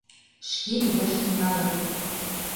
Шке лӱдаш тӱҥалыт.